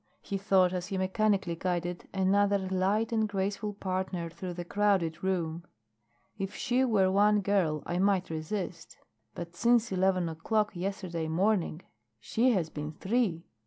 he thought as he mechanically guided another light and graceful partner through the crowded room. "If she were one girl I might resist. But since eleven o'clock yesterday morning she has been three.